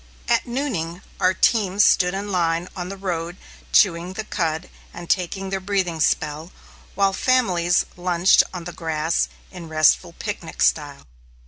At nooning our teams stood in line on the road chewing the cud and taking their breathing spell, while families lunched on the grass in restful picnic style.